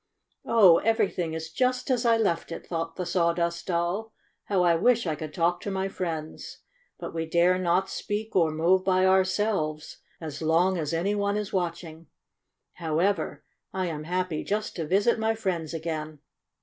"Oh, everything is just as I left it!" thought the Sawdust Doll. "How I wish I could talk to my friends ! But we dare not speak or move by ourselves as long as any one is watching. However, I am happy just to visit my friends again!"